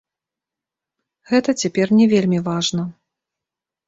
Гэта цяпер не вельмі важна.